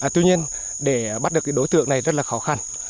tuy nhiên để bắt được đối tượng này rất là khó khăn